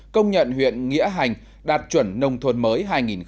công nhận huyện nghĩa hành đạt chuẩn nông thuần mới hai nghìn một mươi tám